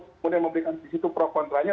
kemudian memberikan di situ pro kontranya